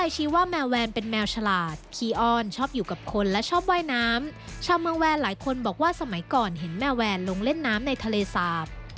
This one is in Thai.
ชาวเมืองแวนหลายคนบอกว่าสมัยก่อนเห็นแมวแวนลงเล่นน้ำในทะเลสาบ